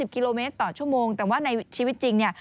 กิโลเมตรต่อชั่วโมงแต่ว่าในชีวิตจริงเนี่ย